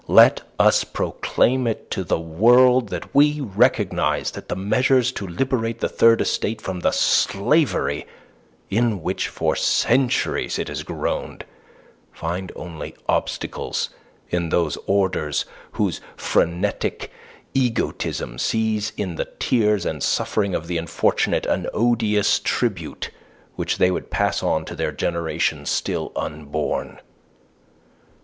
Let us proclaim it to the world that we recognize that the measures to liberate the Third Estate from the slavery in which for centuries it has groaned find only obstacles in those orders whose phrenetic egotism sees in the tears and suffering of the unfortunate an odious tribute which they would pass on to their generations still unborn.